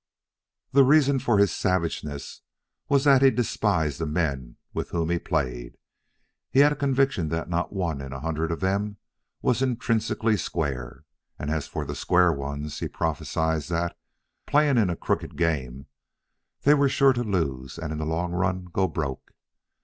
The reason for his savageness was that he despised the men with whom he played. He had a conviction that not one in a hundred of them was intrinsically square; and as for the square ones, he prophesied that, playing in a crooked game, they were sure to lose and in the long run go broke.